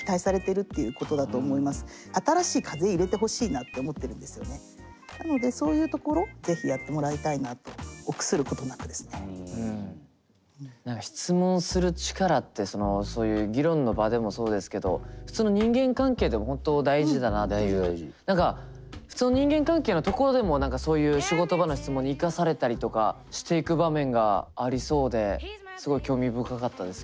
やっぱりなのでそういうところ是非やってもらいたいなと何か質問する力ってそういう議論の場でもそうですけど普通の何か普通の人間関係のところでも何かそういう仕事場の質問に生かされたりとかしていく場面がありそうですごい興味深かったです